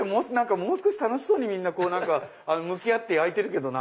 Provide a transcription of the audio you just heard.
もう少し楽しそうに向き合って焼いてるけどな。